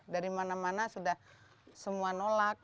dari mana mana sudah semua nolak